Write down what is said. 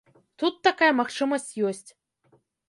Тут такая магчымасць ёсць.